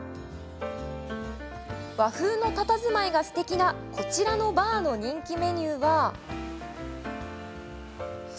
和風のたたずまいがすてきなこちらのバーの人気メニューは。